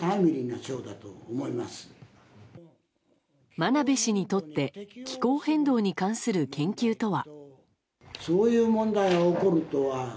真鍋氏にとって気候変動に関する研究とは。